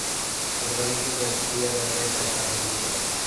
তোতা পাখীকেও যাহা শিখাইয়া দেওয়া যায়, তাহাই সে আবৃত্তি করিতে পারে।